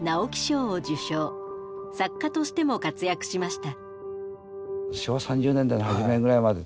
作家としても活躍しました。